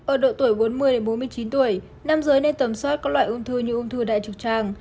ở độ tuổi bốn mươi bốn mươi chín tuổi nam giới nên tầm soát các loại ung thư như ung thư đại trực tràng